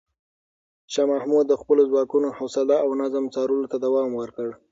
شاه محمود د خپلو ځواکونو حوصله او نظم څارلو ته دوام ورکړ.